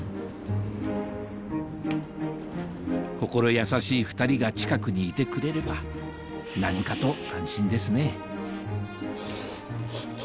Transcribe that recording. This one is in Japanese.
心優しい２人が近くにいてくれれば何かと安心ですね